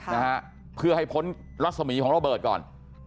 นะฮะเพื่อให้พ้นรัศมีของระเบิดก่อน